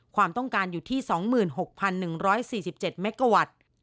ความต้องการอยู่ที่๒๖๑๔๗เมกาวัตต์